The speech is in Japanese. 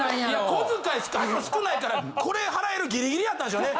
小遣いあいつも少ないからこれ払えるギリギリやったんでしょうね